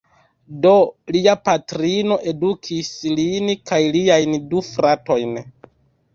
Do, lia patrino edukis lin kaj liajn du fratojn.